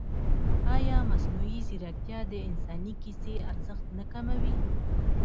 ایا مصنوعي ځیرکتیا د انساني کیسې ارزښت نه کموي؟